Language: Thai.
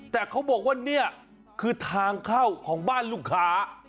แต่เขาบอกว่านี่คือทางเข้าของบ้านลูกค้า